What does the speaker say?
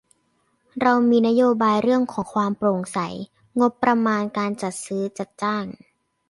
เรามีนโยบายเรื่องของความโปร่งใส งบประมาณการจัดซื้อจัดจ้าง